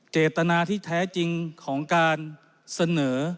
เจตนาที่แท้จริงของการเสนอ